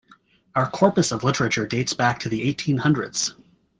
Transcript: Our corpus of literature dates back to the eighteen hundreds.